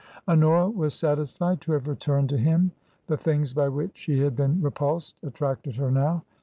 Honora was satisfied to have returned to him. The things by which she had been repulsed attracted her now.